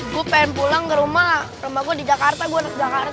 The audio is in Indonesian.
gue pengen pulang ke rumah rumah gue di jakarta gue harus jakarta